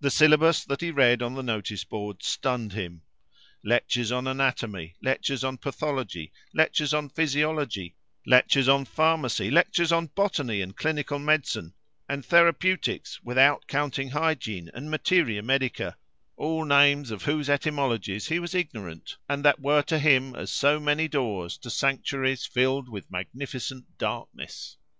The syllabus that he read on the notice board stunned him; lectures on anatomy, lectures on pathology, lectures on physiology, lectures on pharmacy, lectures on botany and clinical medicine, and therapeutics, without counting hygiene and materia medica all names of whose etymologies he was ignorant, and that were to him as so many doors to sanctuaries filled with magnificent darkness.